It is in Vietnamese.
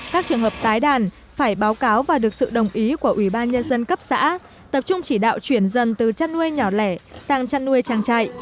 các trường hợp tái đàn phải báo cáo và được sự đồng ý của ủy ban nhân dân cấp xã tập trung chỉ đạo chuyển dân từ chăn nuôi nhỏ lẻ sang chăn nuôi trang trại